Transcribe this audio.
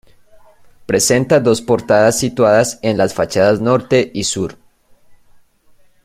Presenta dos portadas situadas en las fachadas norte y sur.